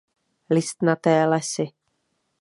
Listnaté lesy.